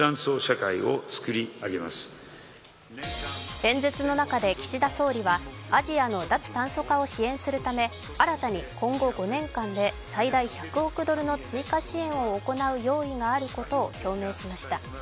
演説の中で岸田総理はアジアの脱炭素化を支援するため新たに今後５年間で最大１００億ドルの追加支援を行う用意があることを表明しました。